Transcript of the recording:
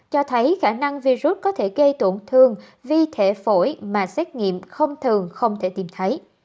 cho thấy khả năng virus có thể gây tổn thương vi thể phổi mà xét nghiệm không thường không thể tìm thấy